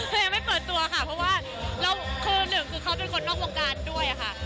ยังไม่เปิดตัวค่ะเพราะว่าแล้วคือหนึ่งคือเขาเป็นคนนอกวงการด้วยค่ะ